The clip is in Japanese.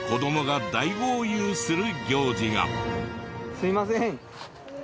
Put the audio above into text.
すいません